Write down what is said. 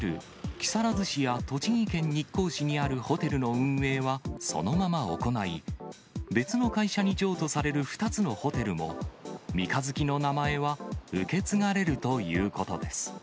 木更津市や栃木県日光市にあるホテルの運営は、そのまま行い、別の会社に譲渡される２つのホテルも、三日月の名前は受け継がれるということです。